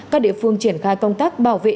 các địa phương triển khai công tác bảo vệ